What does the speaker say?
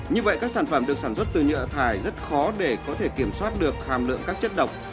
như vậy các sản phẩm được sản xuất từ nhựa thải rất khó để có thể kiểm soát được hàm lượng các chất độc